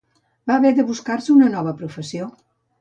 Va haver de buscar-se una nova professió.